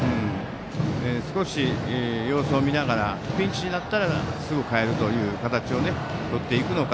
少し様子を見ながらピンチになったらすぐ代える形をとっていくのか。